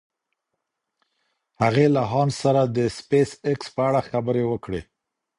هغې له هانس سره د سپېساېکس په اړه خبرې وکړې.